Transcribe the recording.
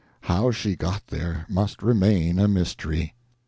How she got there must remain a mystery.